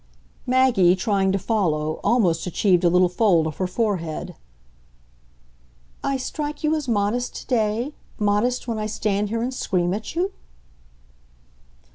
Maggie, trying to follow, almost achieved a little fold of her forehead. "I strike you as modest to day modest when I stand here and scream at you?"